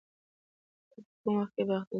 ته په کوم وخت کې باغ ته ځې؟